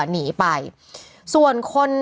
หนีไปส่วนคน